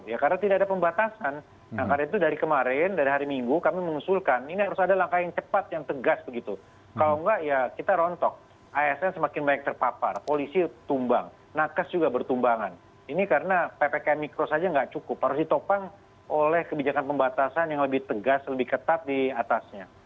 ya karena tidak ada pembatasan nah karena itu dari kemarin dari hari minggu kami mengusulkan ini harus ada langkah yang cepat yang tegas begitu kalau nggak ya kita rontok asn semakin banyak terpapar polisi tumbang nakas juga bertumbangan ini karena ppkm mikro saja nggak cukup harus ditopang oleh kebijakan pembatasan yang lebih tegas lebih ketat diatasnya